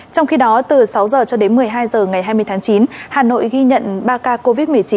trong khi đó từ sáu h cho đến một mươi hai h ngày hai mươi tháng chín hà nội ghi nhận ba ca covid một mươi chín